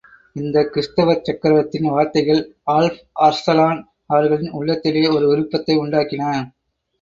இந்தக் கிறிஸ்தவச் சக்கரவர்த்தியின் வார்த்தைகள் ஆல்ப் அர்சலான் அவர்களின் உள்ளத்திலே ஒரு விருப்பத்தை உண்டாக்கின.